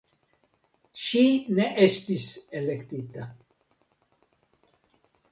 Ŝi ne estis elektita.